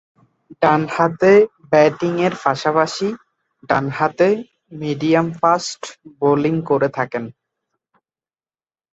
ডানহাতে ব্যাটিংয়ের পাশাপাশি ডানহাতে মিডিয়াম-ফাস্ট বোলিং করে থাকেন।